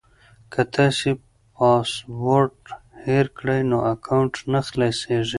که تاسو پاسورډ هېر کړئ نو اکاونټ نه خلاصیږي.